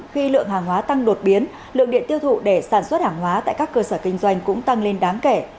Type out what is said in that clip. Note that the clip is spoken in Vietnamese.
khi lượng hàng hóa tăng đột biến lượng điện tiêu thụ để sản xuất hàng hóa tại các cơ sở kinh doanh cũng tăng lên đáng kể